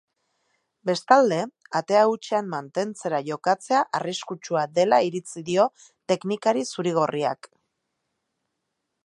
Bestalde, atea hutsean mantentzera jokatzea arriskutsua dela iritzi dio teknikari zuri-gorriak.